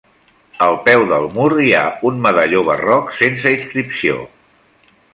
Al peu del mur hi ha un medalló barroc sense inscripció.